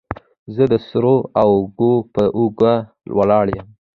زه درسره اوږه په اوږه ولاړ يم.